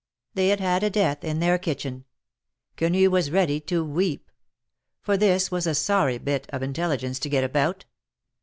They had had a death in their kitchen. Quenu was ready to weep ; for this was a sorry bit of intelligence to get about.